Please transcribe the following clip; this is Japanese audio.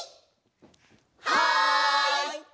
はい！